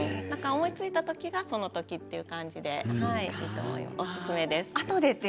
思いついた時がその時という感じで、おすすめです。